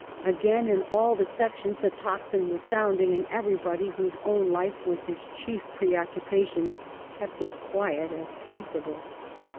Again in all the sections the tocsin was soundifcg ; and everybody whose own life was his chief preoc cupation kept as quiet as possible.